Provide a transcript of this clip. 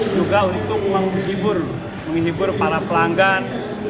juga untuk menghibur menghibur para pelanggan